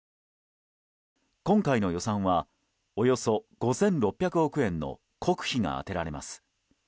今回の予算はおよそ５６００億円の国費が充てられます。